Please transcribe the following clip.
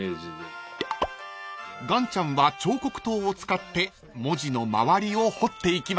［岩ちゃんは彫刻刀を使って文字の周りを彫っていきます］